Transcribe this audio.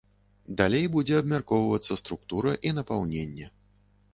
Далей будзе абмяркоўвацца структура і напаўненне.